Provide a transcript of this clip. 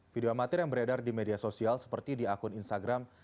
video amatir yang beredar di media sosial seperti di akun instagram